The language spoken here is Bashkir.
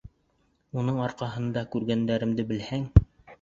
Уның арҡаһында күргәндәремде белһәң...